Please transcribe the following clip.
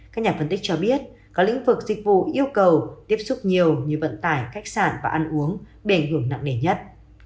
các nhà phân tích cho biết các lĩnh vực dịch vụ yêu cầu tiếp xúc nhiều như vận tải khách sạn và ăn uống bền hưởng nặng nề nhất